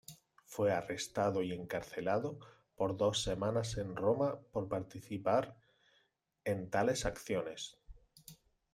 Fue arrestado y encarcelado por dos semanas en Roma por participar en tales acciones.